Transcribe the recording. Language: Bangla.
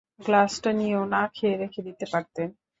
গ্লাসটা নিয়েও না খেয়ে রেখে দিতে পারতেন।